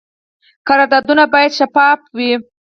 قراردادونه باید شفاف وي